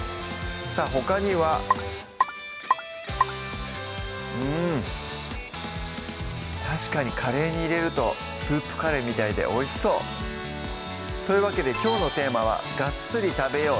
さぁほかにはうん確かにカレーに入れるとスープカレーみたいでおいしそうというわけできょうのテーマは「ガッツリ食べよう！